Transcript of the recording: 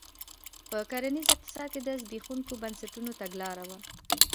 په کرنیز اقتصاد کې د زبېښونکو بنسټونو تګلاره وه.